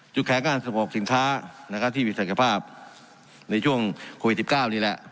แขนการส่งออกสินค้านะครับที่มีศักยภาพในช่วงโควิด๑๙นี่แหละ